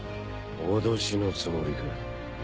脅しのつもりか？